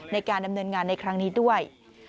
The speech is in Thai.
ในการดำเนินงานในครั้งนี้ด้วย